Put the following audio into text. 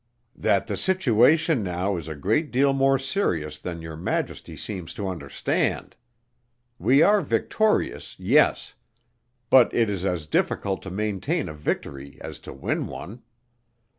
"That the situation now is a great deal more serious than your Majesty seems to understand. We are victorious, yes. But it is as difficult to maintain a victory as to win one.